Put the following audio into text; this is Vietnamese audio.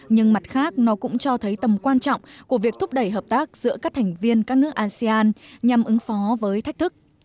nhưng mặt khác nó cũng cho thấy tầm quan trọng của việc thúc đẩy hợp tác giữa các thành viên các nước asean nhằm ứng phó với thách thức